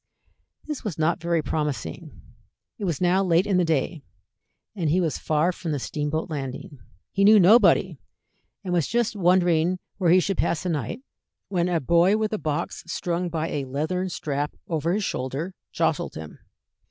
This was not very promising. It was now late in the day, and he was far from the steamboat landing. He knew nobody, and was just wondering where he should pass the night, when a boy with a box strung by a leathern strap over his shoulder jostled him.